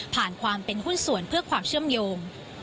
ความเป็นหุ้นส่วนเพื่อความเชื่อมโยง